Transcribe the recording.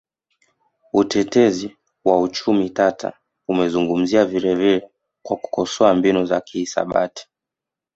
Mtetezi wa uchumi tata amezungumzia vilevile kwa kukosoa mbinu za kihisabati